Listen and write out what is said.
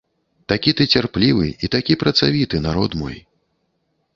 Такі ты цярплівы і такі працавіты, народ мой.